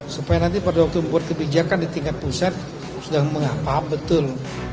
supaya nanti pada waktu membuat kebijakan di tingkat pusat sedang mengapa betul